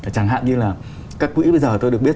chẳng hạn như là các quỹ bây giờ tôi được biết